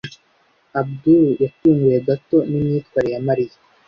Abudul yatunguwe gato nimyitwarire ya Mariya.